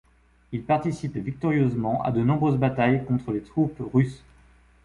Il a participe victorieusement à de nombreuses batailles contre les troupes russes.